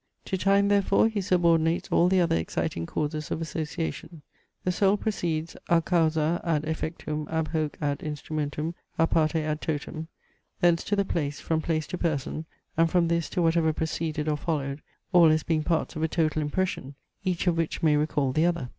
To time therefore he subordinates all the other exciting causes of association. The soul proceeds "a causa ad effectum, ab hoc ad instrumentum, a parte ad totum;" thence to the place, from place to person, and from this to whatever preceded or followed, all as being parts of a total impression, each of which may recall the other.